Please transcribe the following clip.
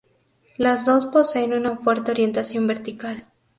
Las dos poseen una fuerte orientación vertical.